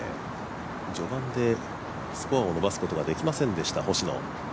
序盤でスコアを伸ばすことができませんでした星野。